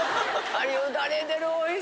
あれ。